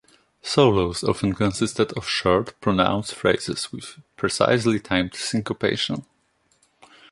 Solos often consisted of short, pronounced phrases with precisely timed syncopation.